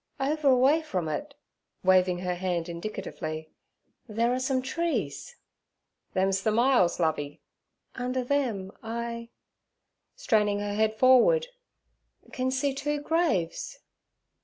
'Over away from it' waving her hand indicatively, 'there are some trees.' 'Them's ther myalls, Lovey.' 'Under them I' straining her head forward, 'can see two graves.'